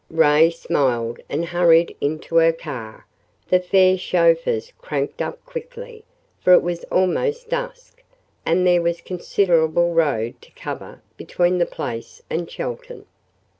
Ray smiled and hurried into her car. The fair chauffeurs cranked up quickly, for it was almost dusk, and there was considerable road to cover between the place and Chelton.